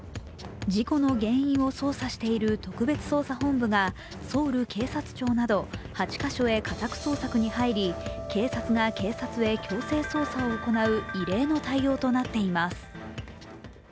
事故の原因を捜査している特別捜査本部が、ソウル警察庁など８か所へ家宅捜索に入り警察が警察へ強制捜査を行う異例の対応となっています。